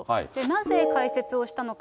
なぜ開設をしたのか。